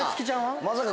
まさか。